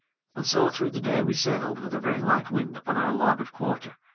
And so through the day we sailed with a very light wind upon our larboard quarter.